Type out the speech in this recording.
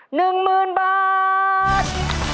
๑หมื่นบาท